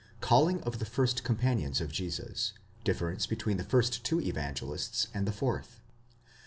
CALLING OF THE FIRST COMPANIONS OF JESUS, DIFFERENCE BETWEEN THE FIRST TWO EVANGELISTS AND THE FOURTH.